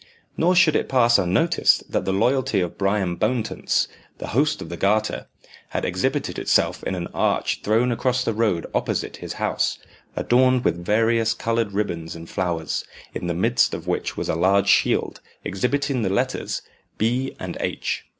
Nor should it pass unnoticed that the loyalty of Bryan Bowntance, the host of the Garter, had exhibited itself in an arch thrown across the road opposite his house, adorned with various coloured ribbons and flowers, in the midst of which was a large shield, exhibiting the letters, b. and h.